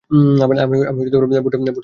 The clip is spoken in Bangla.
আমি ভুট্টা থেকে এটা বানিয়েছি।